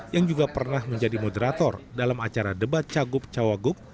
yang juga pernah menjadi moderator dalam acara debat cagup cawagup